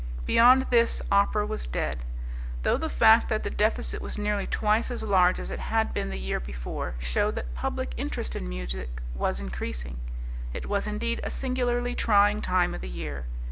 Beyond this, opera was dead, though the fact that the deficit was nearly twice as large as it had been the year before showed that public interest in music was increasing. It was indeed a singularly trying time of the year.